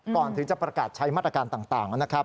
ก่อนถึงจะประกาศใช้มาตรการต่างนะครับ